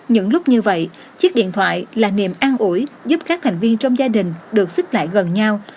những lúc như vậy chiếc điện thoại là niềm an ủi giúp các thành viên trong gia đình được xích lại gần nhau